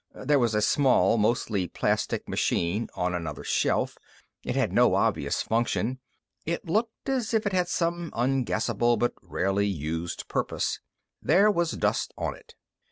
There was a small, mostly plastic machine on another shelf. It had no obvious function. It looked as if it had some unguessable but rarely used purpose. There was dust on it.